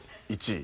１位。